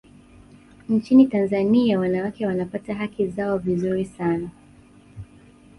nchini tanzania wanawake wanapata haki zao vizuri sana